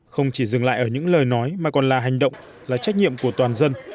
không chỉ dừng lại ở những lời nói mà còn là hành động là trách nhiệm của toàn dân